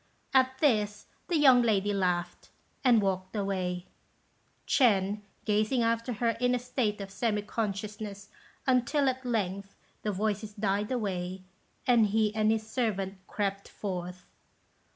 At this the young lady laughed, and walked away, Ch'ên gazing after her in a state of semi consciousness, until, at length, the voices died away, and he and his servant crept forth.